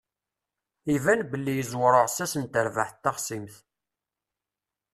Iban belli yeẓwer uɛessas n terbaɛt taxṣimt.